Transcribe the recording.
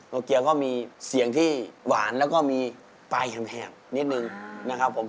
เกียวก็มีเสียงที่หวานแล้วก็มีปลายแหบนิดนึงนะครับผม